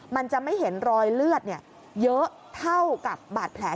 มันจะไม่เห็นรอยเลือดเยอะเท่ากับบาดแผล